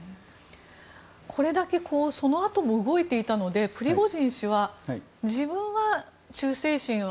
これだけそのあとも動いていたのでプリゴジン氏は自分は忠誠心は。